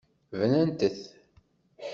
Bnant-t.